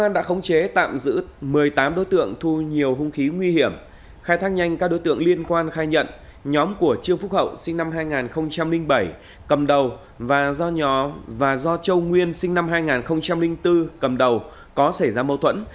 công an đã khống chế tạm giữ một mươi tám đối tượng thu nhiều hung khí nguy hiểm khai thác nhanh các đối tượng liên quan khai nhận nhóm của trương phúc hậu sinh năm hai nghìn bảy cầm đầu và do châu nguyên sinh năm hai nghìn bốn cầm đầu có xảy ra mâu thuẫn